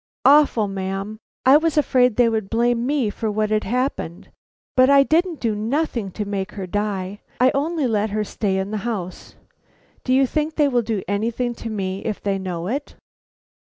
"Awful, ma'am. I was afraid they would blame me for what had happened. But I didn't do nothing to make her die. I only let her stay in the house. Do you think they will do anything to me if they know it?"